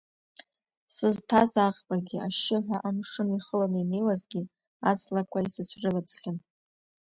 Сызҭаз аӷбагьы ашьшьыҳәа амшын ихыланы инеиуазгьы аҵлақәа исыцәрылаӡхьан.